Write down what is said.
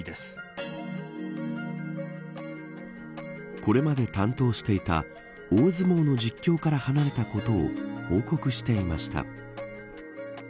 これまで担当していた大相撲の実況から離れたことを報告していました。